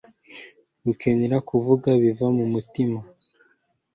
gukenera kuvuga biva mu mutima